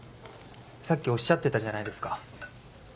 さっきおっしゃってたじゃないですか。